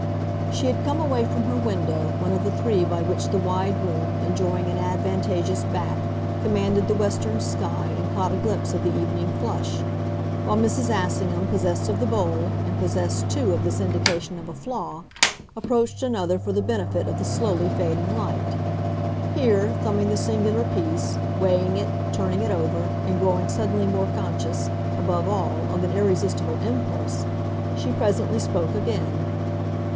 She had come away from her window, one of the three by which the wide room, enjoying an advantageous "back," commanded the western sky and caught a glimpse of the evening flush; while Mrs. Assingham, possessed of the bowl, and possessed too of this indication of a flaw, approached another for the benefit of the slowly fading light. Here, thumbing the singular piece, weighing it, turning it over, and growing suddenly more conscious, above all, of an irresistible impulse, she presently spoke again.